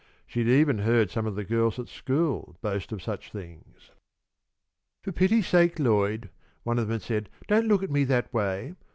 She had even heard some of the girls at school boast of such things. "For pity's sake, Lloyd!" one of them had said, "don't look at me that way.